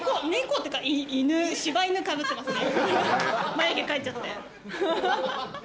眉毛描いちゃって。